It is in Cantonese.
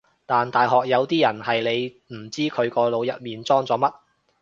但大學有啲人係你唔知佢個腦入面裝咗乜